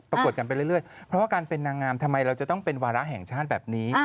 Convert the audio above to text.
กวดกันไปเรื่อยเพราะว่าการเป็นนางงามทำไมเราจะต้องเป็นวาระแห่งชาติแบบนี้